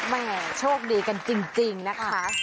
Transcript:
แม่โชคดีกันจริงนะคะ